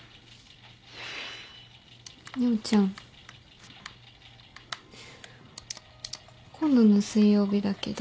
陽ちゃん。今度の水曜日だけど。